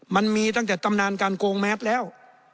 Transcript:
มันมีตั้งแต่ตำนานการโกงแมสแล้ว